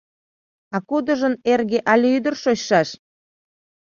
А кудыжын эрге але ӱдыр шочшаш?